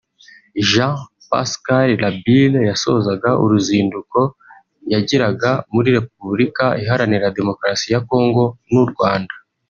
Jean-Pascal Labille yasozaga uruzinduko yagiriraga muri Repubulika Iharanira Demukarasi ya Congo n’u Rwanda